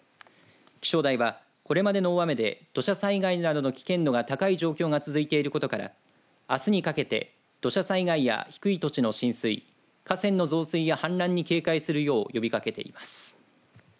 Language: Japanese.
気象台はこれまでの大雨で土砂災害などの危険度が高い状況が続いていることからあすにかけて土砂災害や低い土地の浸水河川の増水や氾濫に警戒するよう呼びかけています。